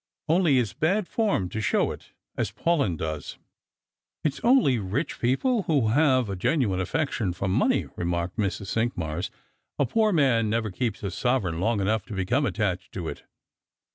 Only it's bad form to show it, as Paulyn does." " It's only rich people who have a genuine affection for money," reniarked Mrs. Cinqmars ;" a poor man never keeps a sovereign long enough to become attached to it."